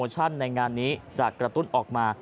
โปรโมชั่นในงานนี้จะกระทุดออกมา